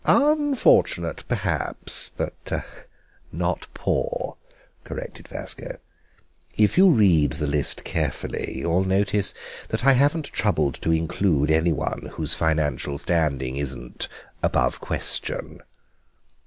"Unfortunate, perhaps, but not poor," corrected Vasco; "if you read the list carefully you'll notice that I haven't troubled to include anyone whose financial standing isn't above question."